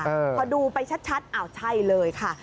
พอดูไปชัดอ้าวใช่เลยค่ะ